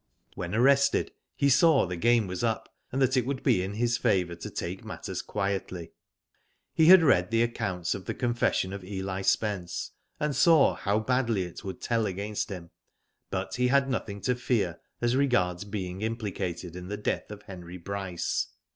When arrested, he saw the game was up, and that it would be in his favour to take matters quietly. He had read the accounts of the confession of Eli Spence, and saw how badly it would tell against him ; but he had nothing to fear as regards being implicated in the death of Henry Bryce.